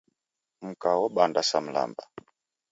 Mka wobanda sa mlamba.